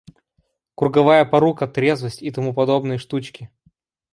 Круговая порука, трезвость и тому подобные штучки.